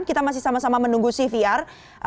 kita masih sama sama menunggu cvr